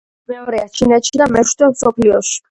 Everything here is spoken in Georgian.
სიგრძით მეორეა ჩინეთში და მეშვიდე მსოფლიოში.